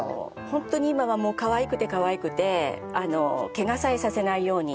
ホントに今はもうかわいくてかわいくてケガさえさせないように。